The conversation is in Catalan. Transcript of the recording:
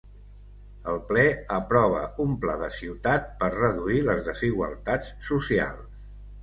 El Ple aprova un pla de ciutat per reduir les desigualtats socials.